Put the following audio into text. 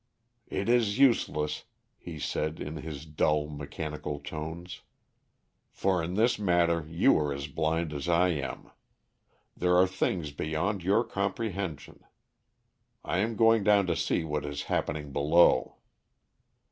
"It is useless," he said, in his dull mechanical tones. "For in this matter you are as blind as I am. There are things beyond your comprehension. I am going down to see what is happening below."